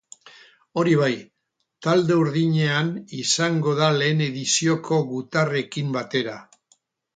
Hori bai, talde urdinean izango da lehen edizioko gutarrekin batera.